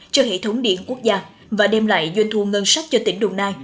cho hệ thống điện quốc gia và đem lại doanh thu ngân sách cho tỉnh đồng nai